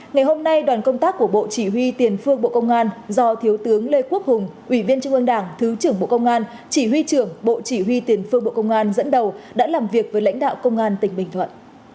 ngày hôm nay đoàn công tác của bộ chỉ huy tiền phương bộ công an do thiếu tướng lê quốc hùng ủy viên trung ương đảng thứ trưởng bộ công an chỉ huy trưởng bộ chỉ huy tiền phương bộ công an dẫn đầu đã làm việc với lãnh đạo công an tỉnh bình thuận